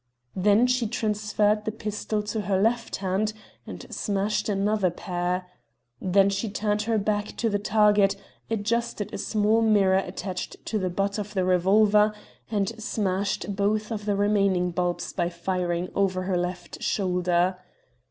Then she transferred the pistol to her left hand and smashed another pair. Then she turned her back to the target, adjusted a small mirror attached to the butt of the revolver, and smashed both of the remaining bulbs by firing over her left shoulder.